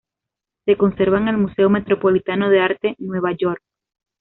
Se conserva en el Museo Metropolitano de Arte, Nueva York.